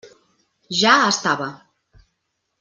Ja estava.